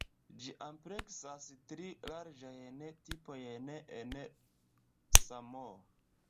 Ĝi ampleksas tri larĝajn tipojn en Samoo.